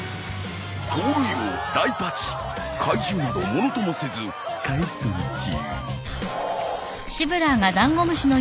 盗塁王ライパチ怪獣などものともせず快走中。